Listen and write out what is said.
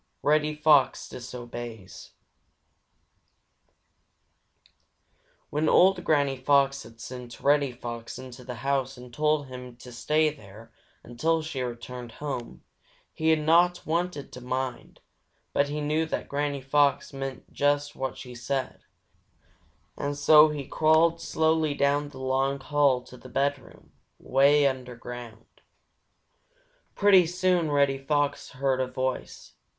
Reddy Fox Disobeys When old Granny Fox had sent Reddy Fox into the house and told him to stay there until she returned home, he had not wanted to mind, but he knew that Granny Fox meant just what she said, and so he had crawled slowly down the long hall to the bedroom, way underground. Pretty soon Reddy Fox heard a voice.